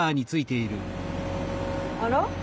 あら？